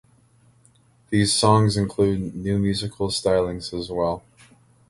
These songs include new musical stylings as well.